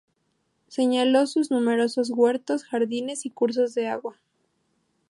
Señaló sus numerosos huertos, jardines y cursos de agua.